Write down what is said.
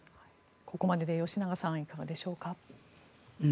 ここまでで吉永さん、いかがでしょうか。